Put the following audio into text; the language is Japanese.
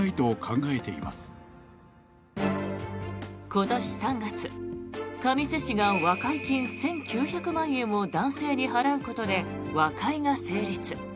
今年３月、神栖市が和解金１９００万円を男性に払うことで和解が成立。